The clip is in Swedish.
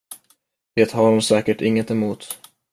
Det har hon säkert inget emot.